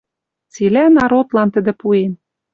Цилӓ народлан тӹдӹ пуэн